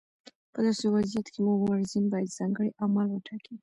په داسې وضعیت کې مبارزین باید ځانګړي اعمال وټاکي.